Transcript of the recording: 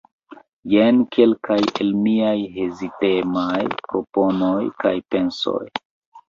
Jen kelkaj el miaj hezitemaj proponoj kaj pensoj.